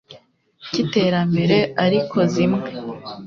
cy iterambere ariko zimwe